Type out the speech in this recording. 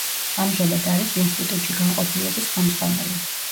ამჟამად არის ინსტიტუტში განყოფილების ხელმძღვანელი.